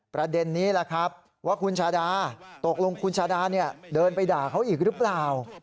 ประเด็นนี้แหละครับว่าคุณชาดาตกลงคุณชาดาเดินไปด่าเขาอีกหรือเปล่า